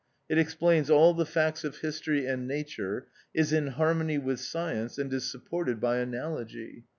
It explains all the facts of history and nature, is in harmony with science, and is supported by analogy.